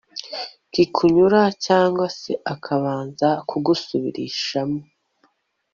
kikunyura cyangwa se akabanza kugusubirishamo